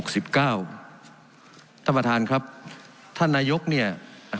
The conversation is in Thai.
สำหรับท่านครับท่านนายกรุณธนี่ครับ